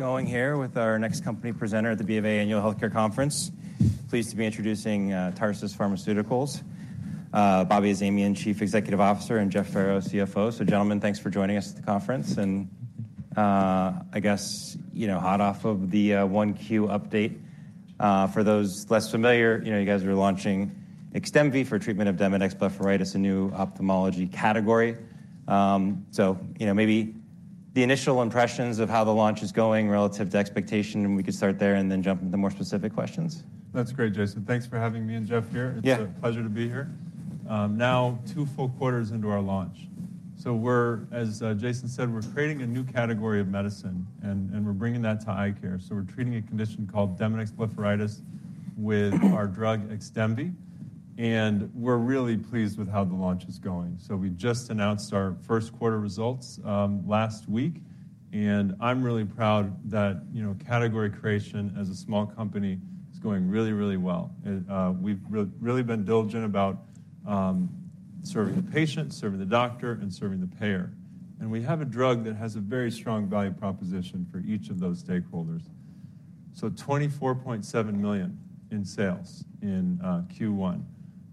Going here with our next company presenter at the BofA annual healthcare conference. Pleased to be introducing Tarsus Pharmaceuticals. Bobby Azamian, Chief Executive Officer, and Jeff Farrow, CFO. So, gentlemen, thanks for joining us at the conference. And, I guess, you know, hot off of the 1Q update. For those less familiar, you know, you guys were launching XDEMVY for treatment of Demodex blepharitis, a new ophthalmology category. So, you know, maybe the initial impressions of how the launch is going relative to expectation, and we could start there and then jump into more specific questions. That's great, Jason. Thanks for having me and Jeff here. It's a pleasure to be here. Now two full quarters into our launch. So we're, as Jason said, creating a new category of medicine, and we're bringing that to eye care. So we're treating a condition called Demodex blepharitis with our drug XDEMVY. And we're really pleased with how the launch is going. So we just announced our first quarter results last week. And I'm really proud that, you know, category creation as a small company is going really, really well. We've really been diligent about serving the patient, serving the doctor, and serving the payer. And we have a drug that has a very strong value proposition for each of those stakeholders. So $24.7 million in sales in Q1.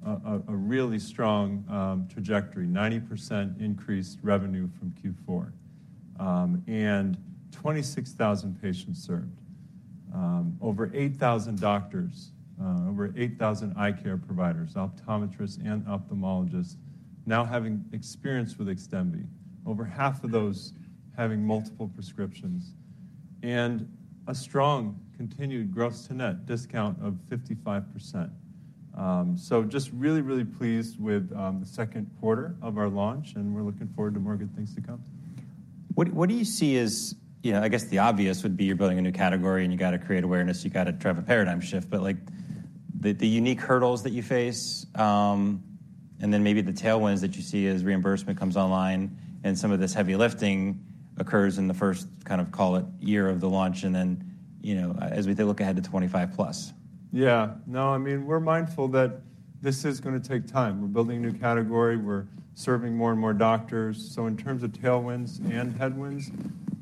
A really strong trajectory: 90% increased revenue from Q4 and 26,000 patients served. Over 8,000 doctors, over 8,000 eye care providers, optometrists and ophthalmologists, now having experience with XDEMVY. Over half of those having multiple prescriptions. A strong continued gross-to-net discount of 55%. So just really, really pleased with the second quarter of our launch, and we're looking forward to more good things to come. What do you see as, you know, I guess the obvious would be you're building a new category and you got to create awareness, you got to drive a paradigm shift. But, like, the unique hurdles that you face, and then maybe the tailwinds that you see as reimbursement comes online and some of this heavy lifting occurs in the first kind of, call it, year of the launch and then, you know, as we look ahead to 25+. Yeah. No, I mean, we're mindful that this is going to take time. We're building a new category. We're serving more and more doctors. So in terms of tailwinds and headwinds,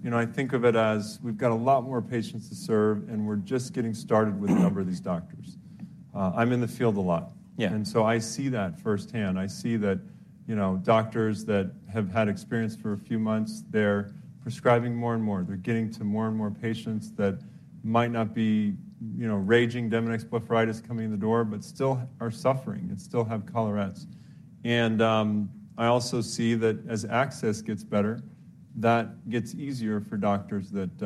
you know, I think of it as we've got a lot more patients to serve and we're just getting started with a number of these doctors. I'm in the field a lot. Yeah. So I see that firsthand. I see that, you know, doctors that have had experience for a few months, they're prescribing more and more. They're getting to more and more patients that might not be, you know, raging Demodex blepharitis coming in the door, but still are suffering and still have collarettes. And, I also see that as access gets better, that gets easier for doctors that,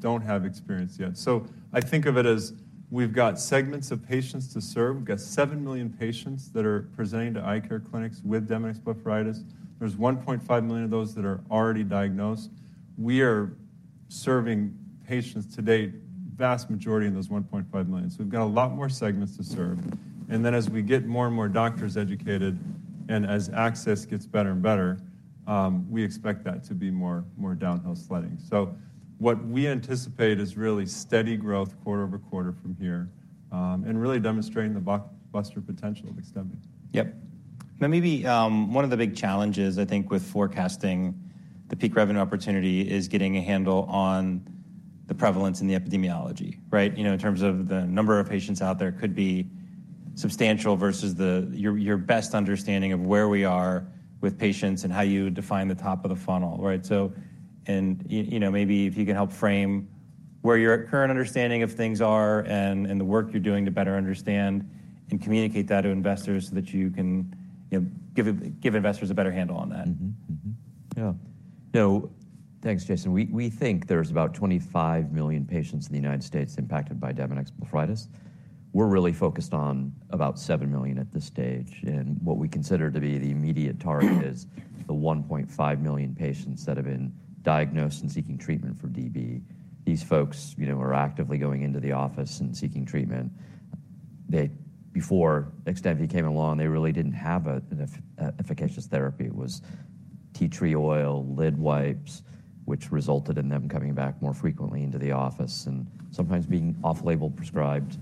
don't have experience yet. So I think of it as we've got segments of patients to serve. We've got 7 million patients that are presenting to eye care clinics with Demodex blepharitis. There's 1.5 million of those that are already diagnosed. We are serving patients today, vast majority in those 1.5 million. So we've got a lot more segments to serve. And then as we get more and more doctors educated and as access gets better and better, we expect that to be more, more downhill sledding. So what we anticipate is really steady growth quarter-over-quarter from here, and really demonstrating the blockbuster potential of XDEMVY. Yep. Now maybe, one of the big challenges, I think, with forecasting the peak revenue opportunity is getting a handle on the prevalence in the epidemiology, right? You know, in terms of the number of patients out there, it could be substantial versus your best understanding of where we are with patients and how you define the top of the funnel, right? So, you know, maybe if you can help frame where your current understanding of things are and the work you're doing to better understand and communicate that to investors so that you can, you know, give investors a better handle on that. Yeah. No, thanks, Jason. We, we think there's about 25 million patients in the United States impacted by Demodex blepharitis. We're really focused on about 7 million at this stage. And what we consider to be the immediate target is the 1.5 million patients that have been diagnosed and seeking treatment for DB. These folks, you know, are actively going into the office and seeking treatment. They, before XDEMVY came along, they really didn't have an efficacious therapy. It was tea tree oil, lid wipes, which resulted in them coming back more frequently into the office and sometimes being off-label prescribed,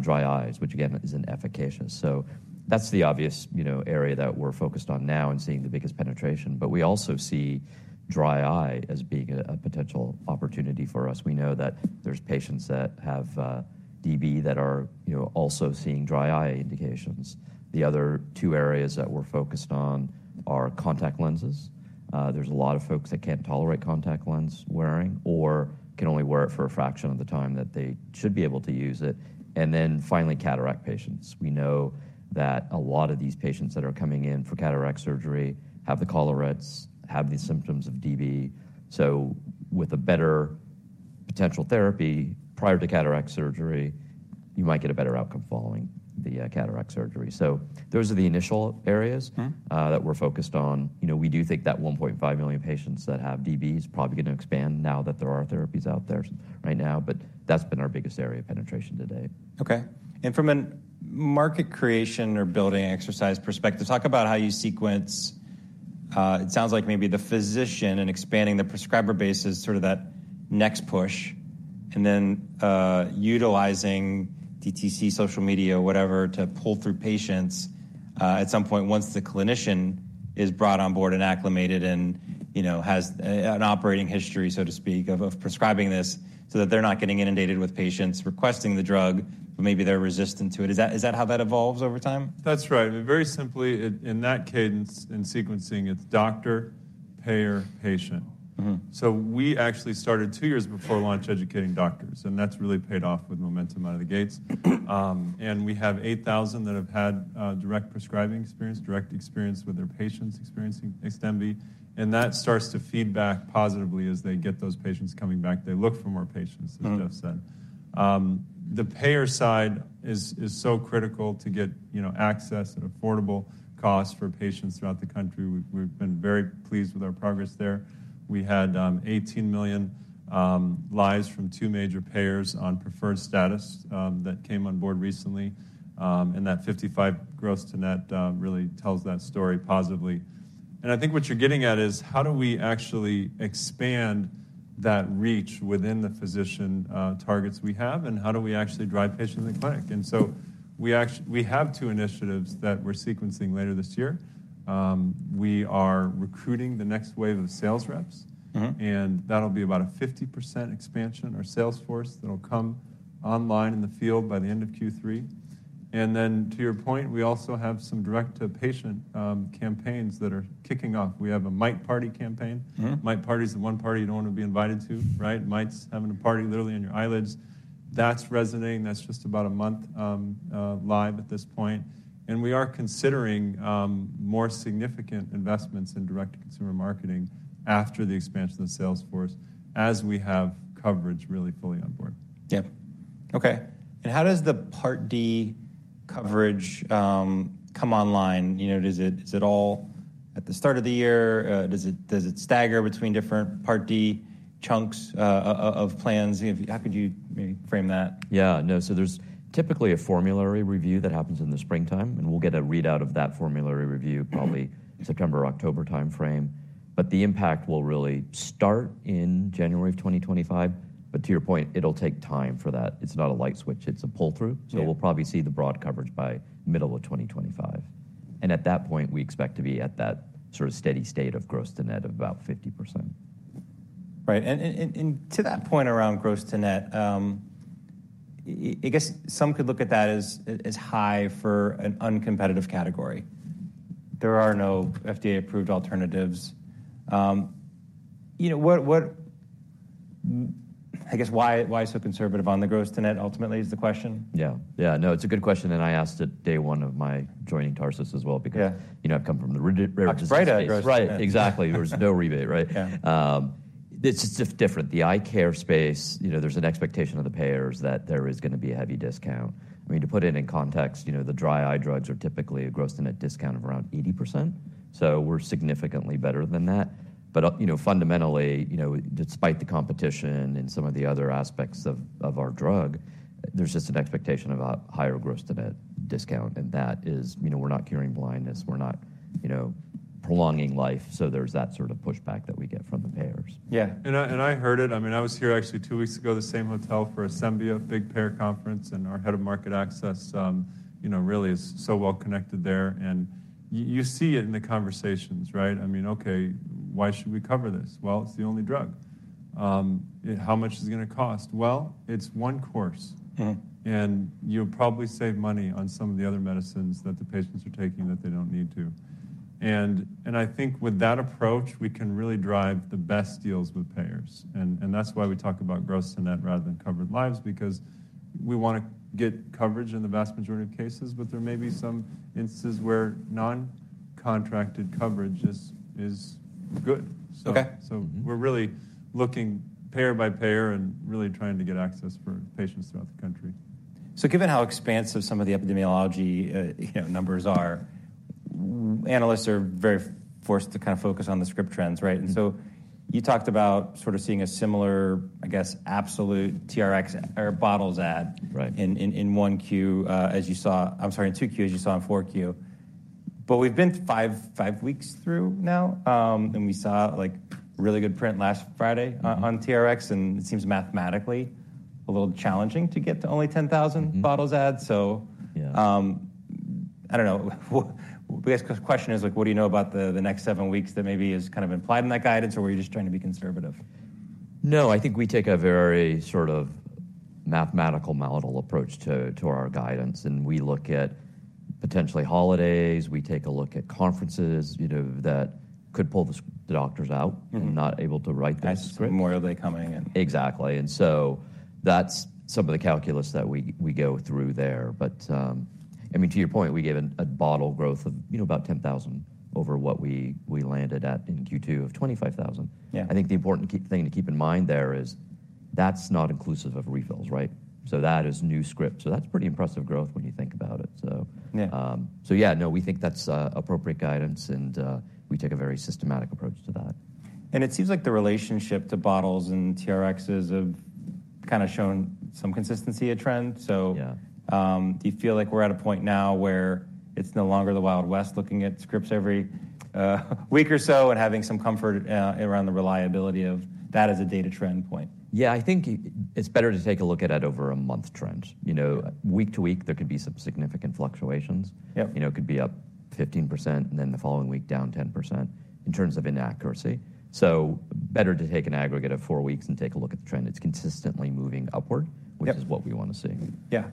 dry eyes, which again isn't efficacious. So that's the obvious, you know, area that we're focused on now and seeing the biggest penetration. But we also see dry eye as being a potential opportunity for us. We know that there's patients that have DB that are, you know, also seeing dry eye indications. The other two areas that we're focused on are contact lenses. There's a lot of folks that can't tolerate contact lens wearing or can only wear it for a fraction of the time that they should be able to use it. And then finally, cataract patients. We know that a lot of these patients that are coming in for cataract surgery have the collarettes, have these symptoms of DB. So with a better potential therapy prior to cataract surgery, you might get a better outcome following the cataract surgery. So those are the initial areas that we're focused on. You know, we do think that 1.5 million patients that have DB is probably going to expand now that there are therapies out there right now. But that's been our biggest area of penetration today. Okay. And from a market creation or building exercise perspective, talk about how you sequence. It sounds like maybe the physician and expanding the prescriber base is sort of that next push. And then, utilizing DTC, social media, whatever, to pull through patients, at some point once the clinician is brought on board and acclimated and, you know, has an operating history, so to speak, of prescribing this so that they're not getting inundated with patients requesting the drug, but maybe they're resistant to it. Is that, is that how that evolves over time? That's right. Very simply, in that cadence and sequencing, it's doctor, payer, patient. So we actually started two years before launch educating doctors. And that's really paid off with momentum out of the gates. And we have 8,000 that have had direct prescribing experience, direct experience with their patients experiencing XDEMVY. And that starts to feed back positively as they get those patients coming back. They look for more patients, as Jeff said. The payer side is so critical to get, you know, access at affordable costs for patients throughout the country. We've been very pleased with our progress there. We had 18 million lives from two major payers on preferred status that came on board recently. And that 55% gross-to-net really tells that story positively. I think what you're getting at is how do we actually expand that reach within the physician targets we have, and how do we actually drive patients to the clinic? So we actually have two initiatives that we're sequencing later this year. We are recruiting the next wave of sales reps. That'll be about a 50% expansion of sales force that'll come online in the field by the end of Q3. Then to your point, we also have some direct-to-patient campaigns that are kicking off. We have a Mite Party campaign. Mite Party is the one party you don't want to be invited to, right? Mite's having a party literally on your eyelids. That's resonating. That's just about a month live at this point. We are considering more significant investments in direct-to-consumer marketing after the expansion of the sales force as we have coverage really fully on board. Yep. Okay. And how does the Part D coverage come online? You know, does it, is it all at the start of the year? Does it stagger between different Part D chunks of plans? How could you maybe frame that? Yeah. No, so there's typically a formulary review that happens in the springtime. And we'll get a readout of that formulary review probably September, October timeframe. But the impact will really start in January of 2025. But to your point, it'll take time for that. It's not a light switch. It's a pull-through. So we'll probably see the broad coverage by middle of 2025. And at that point, we expect to be at that sort of steady state of gross-to-net of about 50%. Right. And to that point around gross-to-net, I guess some could look at that as high for an uncompetitive category. There are no FDA-approved alternatives. You know, what I guess why so conservative on the gross-to-net ultimately is the question? Yeah. Yeah. No, it's a good question. And I asked it day one of my joining Tarsus as well because, you know, I've come from the rare disease space. That's right at gross-to-net. Right. Exactly. There was no rebate, right? It's just different. The eye care space, you know, there's an expectation of the payers that there is going to be a heavy discount. I mean, to put it in context, you know, the dry eye drugs are typically a gross-to-net discount of around 80%. So we're significantly better than that. But, you know, fundamentally, you know, despite the competition and some of the other aspects of, of our drug, there's just an expectation of a higher gross-to-net discount. And that is, you know, we're not curing blindness. We're not, you know, prolonging life. So there's that sort of pushback that we get from the payers. Yeah. And I heard it. I mean, I was here actually two weeks ago, the same hotel for a Asembia big payer conference. And our head of market access, you know, really is so well connected there. And you see it in the conversations, right? I mean, okay, why should we cover this? Well, it's the only drug. How much is it going to cost? Well, it's one course. And you'll probably save money on some of the other medicines that the patients are taking that they don't need to. And I think with that approach, we can really drive the best deals with payers. And that's why we talk about gross-to-net rather than covered lives because we want to get coverage in the vast majority of cases, but there may be some instances where non-contracted coverage just is good. So we're really looking payer by payer and really trying to get access for patients throughout the country. So given how expansive some of the epidemiology, you know, numbers are, analysts are very forced to kind of focus on the script trends, right? And so you talked about sort of seeing a similar, I guess, absolute TRX or bottles add in 1Q, as you saw, I'm sorry, in 2Q, as you saw in 4Q. But we've been 5 weeks through now, and we saw, like, really good print last Friday on TRX. And it seems mathematically a little challenging to get to only 10,000 bottles adds. So, I don't know. I guess the question is, like, what do you know about the next 7 weeks that maybe is kind of implied in that guidance, or are you just trying to be conservative? No, I think we take a very sort of mathematical, model approach to, to our guidance. And we look at potentially holidays. We take a look at conferences, you know, that could pull the doctors out and not able to write the script. As more are they coming and. Exactly. And so that's some of the calculus that we go through there. But, I mean, to your point, we gave a bottle growth of, you know, about 10,000 over what we landed at in Q2 of 25,000. I think the important thing to keep in mind there is that's not inclusive of refills, right? So that is new scripts. So yeah, no, we think that's appropriate guidance. And we take a very systematic approach to that. It seems like the relationship to bottles and TRXs have kind of shown some consistency of trend. Do you feel like we're at a point now where it's no longer the Wild West looking at scripts every week or so and having some comfort around the reliability of that as a data trend point? Yeah, I think it's better to take a look at it over a month trend. You know, week to week, there could be some significant fluctuations. You know, it could be up 15% and then the following week down 10% in terms of inaccuracy. So better to take an aggregate of four weeks and take a look at the trend. It's consistently moving upward, which is what we want to see. Yeah.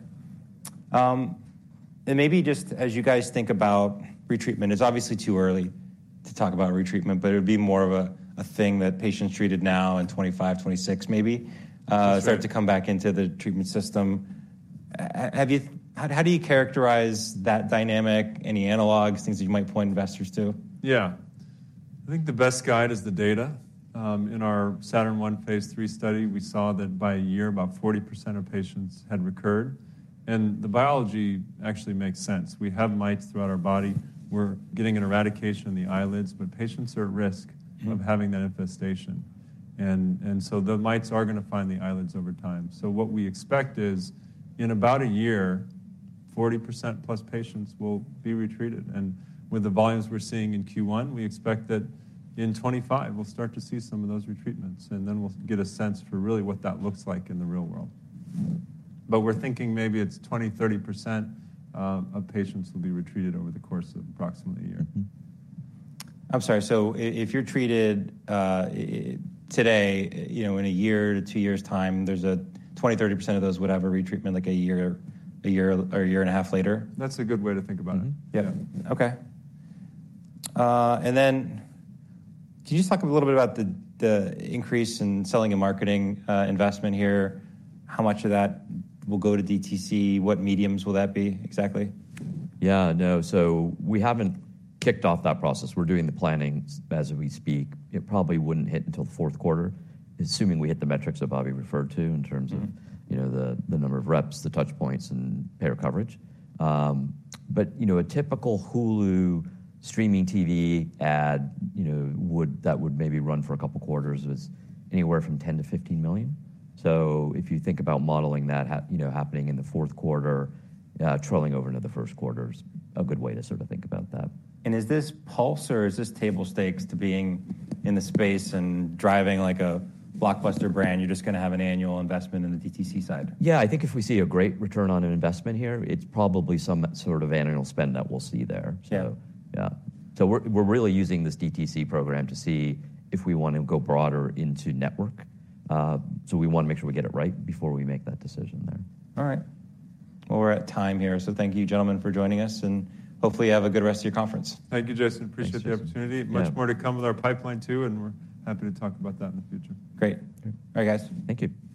Maybe just as you guys think about retreatment, it's obviously too early to talk about retreatment, but it would be more of a thing that patients treated now in 2025, 2026 maybe, start to come back into the treatment system. Have you, how do you characterize that dynamic? Any analogs, things that you might point investors to? Yeah. I think the best guide is the data. In our Saturn-1 phase III study, we saw that by a year, about 40% of patients had recurred. And the biology actually makes sense. We have mites throughout our body. We're getting an eradication of the eyelids, but patients are at risk of having that infestation. And so the mites are going to find the eyelids over time. So what we expect is in about a year, 40% plus patients will be retreated. And with the volumes we're seeing in Q1, we expect that in 2025, we'll start to see some of those retreatments. And then we'll get a sense for really what that looks like in the real world. But we're thinking maybe it's 20%-30% of patients will be retreated over the course of approximately a year. I'm sorry. So if you're treated, today, you know, in a year to two years' time, there's a 20%-30% of those would have a retreatment like a year, a year or a year and a half later? That's a good way to think about it. Yeah. Okay. And then can you just talk a little bit about the, the increase in selling and marketing investment here? How much of that will go to DTC? What mediums will that be exactly? Yeah. No, so we haven't kicked off that process. We're doing the planning as we speak. It probably wouldn't hit until the fourth quarter, assuming we hit the metrics that Bobby referred to in terms of, you know, the number of reps, the touchpoints, and payer coverage. But, you know, a typical Hulu streaming TV ad, you know, would, that would maybe run for a couple quarters was anywhere from $10 million-$15 million. So if you think about modeling that, you know, happening in the fourth quarter, rolling over into the first quarter is a good way to sort of think about that. Is this pulse or is this table stakes to being in the space and driving like a blockbuster brand? You're just going to have an annual investment in the DTC side? Yeah, I think if we see a great return on an investment here, it's probably some sort of annual spend that we'll see there. So, yeah. So we're really using this DTC program to see if we want to go broader into network. So we want to make sure we get it right before we make that decision there. All right. Well, we're at time here. So thank you, gentlemen, for joining us. And hopefully, you have a good rest of your conference. Thank you, Jason. Appreciate the opportunity. Much more to come with our pipeline too. We're happy to talk about that in the future. Great. All right, guys. Thank you.